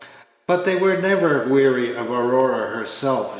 But they were never weary of Aurora herself.